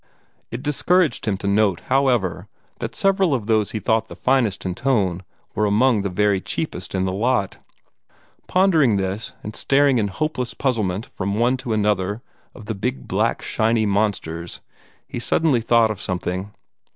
It discouraged him to note, however, that several of those he thought the finest in tone were among the very cheapest in the lot. Pondering this, and staring in hopeless puzzlement from one to another of the big black shiny monsters, he suddenly thought of something.